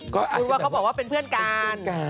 คุณว่าเขาบอกว่าเป็นเพื่อนการ